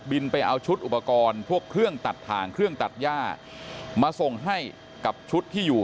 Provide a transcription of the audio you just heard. ไปเอาชุดอุปกรณ์พวกเครื่องตัดถ่างเครื่องตัดย่ามาส่งให้กับชุดที่อยู่